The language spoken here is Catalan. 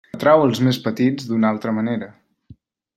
Atrau els més petits d'una altra manera.